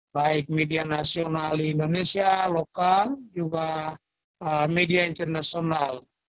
baik media nasional di indonesia lokal juga media internasional